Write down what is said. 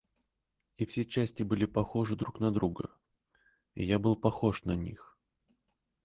И все части были похожи друг на друга, и я был похож на них.